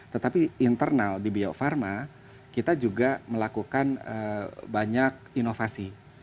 tetapi internal di biofarma kita juga melakukan banyak inovasi